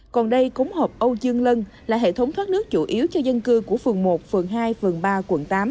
còn đây cống hộp âu dương lân là hệ thống thoát nước chủ yếu cho dân cư của phường một phường hai phường ba quận tám